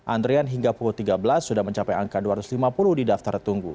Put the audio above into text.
antrian hingga pukul tiga belas sudah mencapai angka dua ratus lima puluh di daftar tunggu